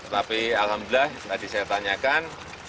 tapi alhamdulillah tadi saya tanyakan